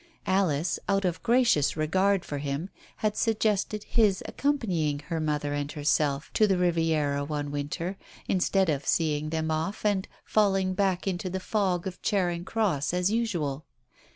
Alice, out of gracious regard for him, had suggested his accompanying her mother and herself to the Riviera one winter, instead of seeing them off and falling back into the fog of Charing Cross as usual.